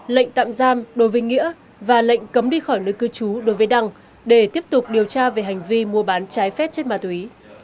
lệnh tạm giam đối với nghĩa và lệnh cấm đi khỏi nơi cư trú đối với đăng để tiếp tục điều tra về hành vi mua bán trái phép chất ma túy